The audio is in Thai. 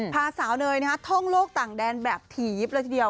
พาสาวเนยท่องโลกต่างแดนแบบถี่ยิบเลยทีเดียว